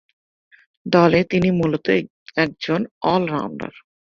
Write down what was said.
দলে তিনি মূলতঃ একজন অল-রাউন্ডার।